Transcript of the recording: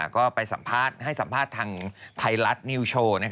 ก็ไปสัมภาษณ์ให้สัมภาษณ์ทางไทยรัฐนิวโชว์